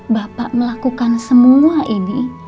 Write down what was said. bapak melakukan semua ini